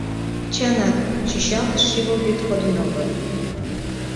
— Чынак, чӱчалтыш шӱвылвӱд кодын огыл.